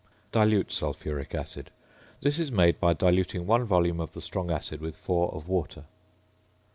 ~Dilute Sulphuric Acid.~ This is made by diluting 1 volume of the strong acid with 4 of water.